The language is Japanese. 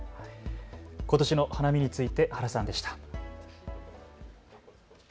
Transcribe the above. ことしの花見について原さんでした。